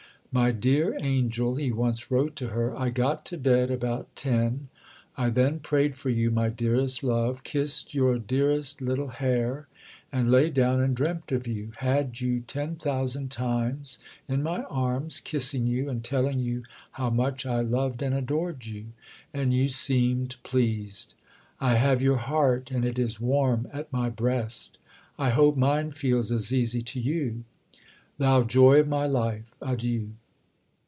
"My dear Angel," he once wrote to her, "I got to bed about ten. I then prayed for you, my dearest love, kissed your dearest little hair, and lay down and dreamt of you, had you ten thousand times in my arms, kissing you and telling you how much I loved and adored you, and you seemed pleased.... I have your heart, and it is warm at my breast. I hope mine feels as easy to you. Thou joy of my life, adieu!"